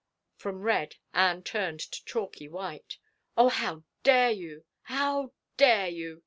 From red Anne turned to chalky white. " Oh, how dare you, how dare you